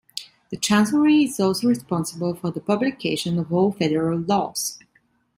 The chancellery is also responsible for the publication of all federal laws.